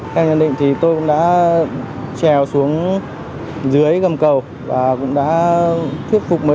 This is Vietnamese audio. theo nhận định thì tôi cũng đã trèo xuống dưới cầm cầu và cũng đã thuyết phục mở đầu